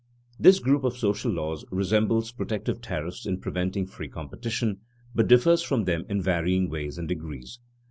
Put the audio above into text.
_This group of social laws resembles protective tariffs in preventing free competition, but differs from them in varying ways and degrees.